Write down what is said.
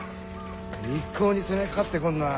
一向に攻めかかってこんなあ。